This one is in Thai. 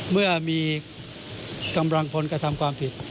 เมื่อมีกำลังพลกระทำความผิด